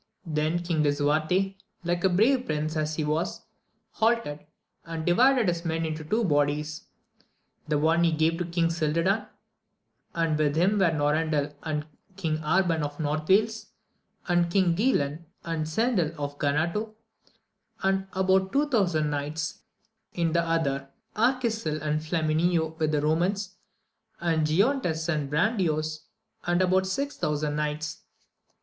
Then King Lisuarte, like a brave prince as he was, halted, and divided his men into two bodies ; the one he gave AMADIS OF GAUL 223 to King Cildadan, and with him were Norandel, and King Arban of North Wales, and Don Guilan, and Cendil of Ganota, and about two thousand knights : in the other, Arquisil and Flamineo with the Eomans, aud Giontes, and Brandoyuas, and about six thousand knights.